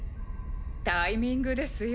タイミングですよ。